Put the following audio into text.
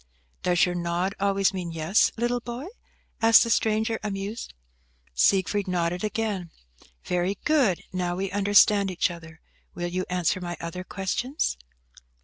"Does your nod always mean yes, little boy?" asked the stranger, amused. Siegfried nodded again. "Very good. Now we understand each other. Will you answer my other questions?"